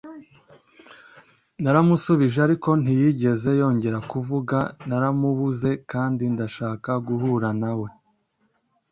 naramusubije ariko ntiyegeze yongera kuvuga naramubuze kandi ndashaka guhura na we